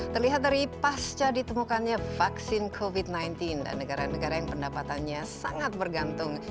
terlihat dari pasca ditemukannya vaksin covid sembilan belas dan negara negara yang pendapatannya sangat bergantung